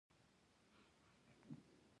دا لوړو مقاماتو ته وړاندې کیږي.